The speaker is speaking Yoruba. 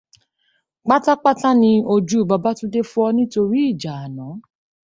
Pátápátá ni ojú Babátúndé fọ́ nítorí ìjà àná.